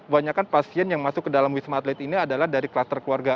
banyakan pasien yang masuk ke dalam wisma atlet ini adalah dari kluster keluarga